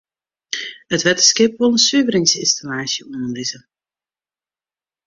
It wetterskip wol in suveringsynstallaasje oanlizze.